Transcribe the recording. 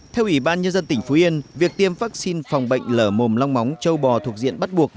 theo ủy ban nhân dân tỉnh phú yên việc tiêm vaccine phòng bệnh lở mồm long móng châu bò thuộc diện bắt buộc